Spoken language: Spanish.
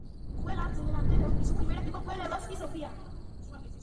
Juega de delantero y su primer equipo fue Levski Sofia.